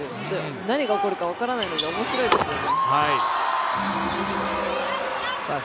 何が起こるか分からないので面白いですよね。